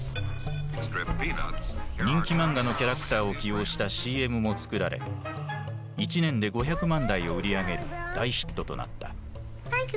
人気漫画のキャラクターを起用したＣＭもつくられ１年で５００万台を売り上げる大ヒットとなった。